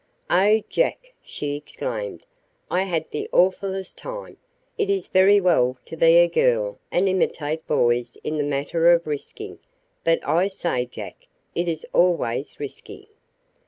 "Oh, Jack," she exclaimed, "I had the awfullest time! It is very well to be a girl and imitate boys in the matter of risking; but I say, Jack, it is always risky."